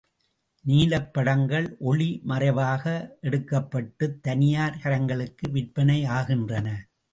நீலப்படங்கள் ஒளி மறைவாக எடுக்கப்பட்டுத் தனியார் கரங்களுக்கு விற்பனை ஆகின்றன.